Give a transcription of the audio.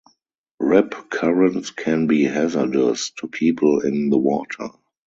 Rip currents can be hazardous to people in the water.